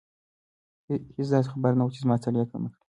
هیڅ داسې خبره نه وه چې زما ستړیا کمه کړي.